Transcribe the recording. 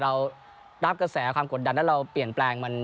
เรารับกระแสความกดดันแล้วเราเปลี่ยนแปลง